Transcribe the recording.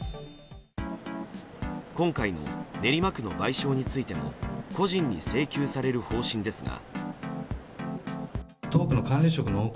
今回の練馬区の賠償についても個人に請求される方針ですが。